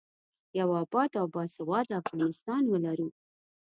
یو اباد او باسواده افغانستان ولرو.